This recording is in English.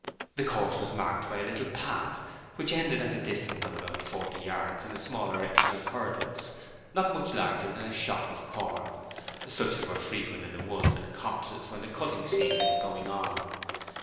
The course was marked by a little path, which ended at a distance of about forty yards in a small erection of hurdles, not much larger than a shock of corn, such as were frequent in the woods and copses when the cutting season was going on.